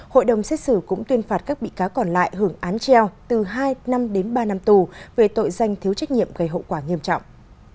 hội đồng xét xử cũng tuyên phạt các bị cáo còn lại hưởng án treo từ hai năm đến ba năm tù về tội danh thiếu trách nhiệm gây hậu quả nghiêm trọng